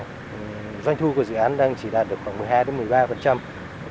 doanh thu của dự án đang chỉ đạt được khoảng một mươi hai một mươi ba